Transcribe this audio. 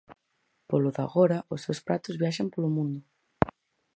Polo de agora os seus pratos viaxan polo mundo.